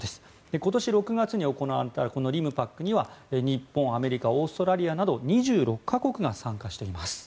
今年６月に行われたこのリムパックには日本、アメリカオーストラリアなど２６か国が参加しています。